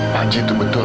panji itu betul